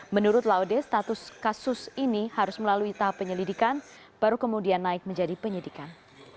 menurut laude status kasus ini harus melalui tahap penyelidikan baru kemudian naik menjadi penyidikan